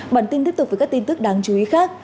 bản tin tiếp tục với các tin tức đáng chú ý khác